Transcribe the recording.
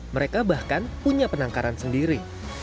mereka bahkan punya penangkaran sendiri